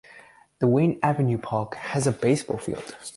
The Wayne Avenue park has a baseball field.